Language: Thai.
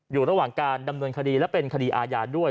อยู่ระหว่างการดำเนินคดีและเป็นคดีอาญาด้วย